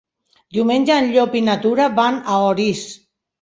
Diumenge en Llop i na Tura van a Orís.